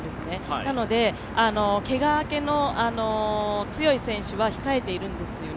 なのでけが明けの強い選手は控えているんですよね。